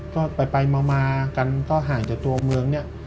ก็ไปมากันก็ห่างจากตัวเมืองเนี่ย